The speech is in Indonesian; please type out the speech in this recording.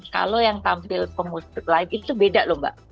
kalau yang tampil pemusik live itu beda loh mbak